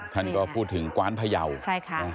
ท่านก็พูดถึงกวานพยาวใช่ค่ะ